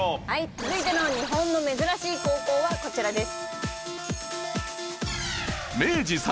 続いての日本の珍しい高校はこちらです。